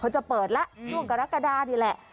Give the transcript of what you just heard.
เขาจะเปิดละช่วงกรกฎาเนี่ยแหละ